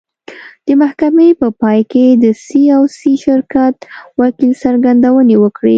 د محکمې په پای کې د سي او سي شرکت وکیل څرګندونې وکړې.